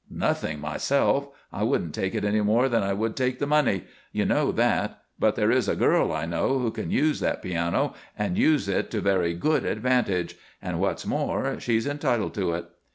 "Nothing, myself. I wouldn't take it any more than I would take the money. You know that. But there is a girl I know who can use that piano and use it to very good advantage. And what's more, she's entitled to it."